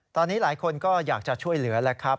ตอนนี้หลายคนก็อยากจะช่วยเหลือแล้วครับ